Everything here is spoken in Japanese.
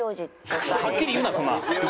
はっきり言うなそんなん。